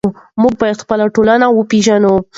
موږ باید خپله ټولنه وپېژنو.